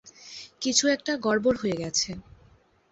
কিছু একটা গড়বড় হয়ে গেছে।